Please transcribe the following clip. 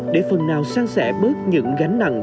để phần nào sáng sẻ bớt những gánh nặng